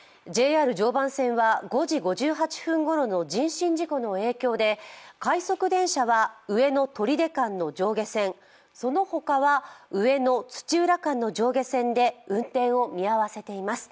ＪＲ常磐線は５時５８分ごろの人身事故の影響で快速電車は上野ー取手間の上下線、その他は上野−土浦間の上下線で運転を見合わせています。